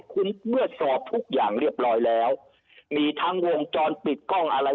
คุณเมื่อสอบทุกอย่างเรียบร้อยแล้วมีทั้งวงจรปิดกล้องอะไร